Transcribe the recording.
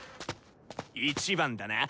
１番だな！